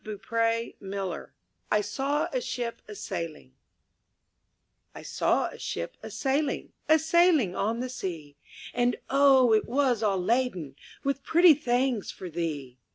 22 I N THE NURSERY I SAW A SHIP A SAILING T saw a ship a saiHng, •*• A s ailing on the sea ; And oh ! it was all laden With pretty things for thee